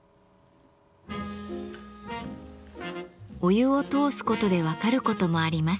お湯を通すことで分かることもあります。